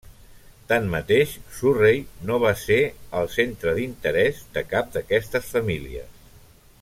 Tanmateix, Surrey no va ser el centre d'interès de cap d'aquestes famílies.